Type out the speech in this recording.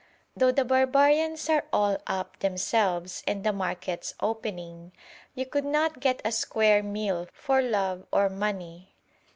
Though the barbarians are all up themselves and the markets opening, you could not get a square meal for love or money.